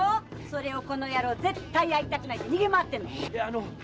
それをこの野郎「絶対会いたくない」って逃げ回ってんだから！